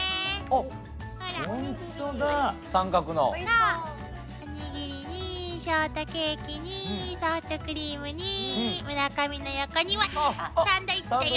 おにぎりにショートケーキにソフトクリームに村上の横にはサンドイッチだよ。